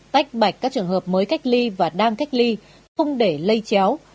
tách bạch các trường hợp mới cách ly và đang cách ly không để lây chéo